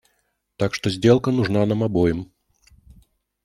Так что сделка нужна нам обоим.